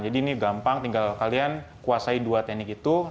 jadi ini gampang tinggal kalian kuasai dua teknik itu